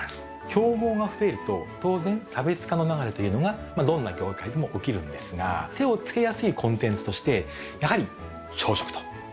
競合が増えると、当然、差別化の流れというのが、どんな業界でも起きるんですが、手を付けやすいコンテンツとして、やはり朝食と。